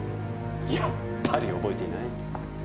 やっぱり覚えていない。